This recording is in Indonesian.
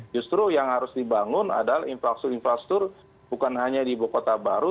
justru yang harus dibangun adalah infrastruktur infrastruktur bukan hanya di ibu kota baru